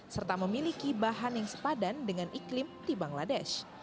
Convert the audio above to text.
serta memiliki bahan yang sepadan dengan iklim di bangladesh